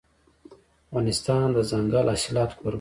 افغانستان د دځنګل حاصلات کوربه دی.